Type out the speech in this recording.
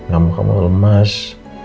gak mau kamu lemas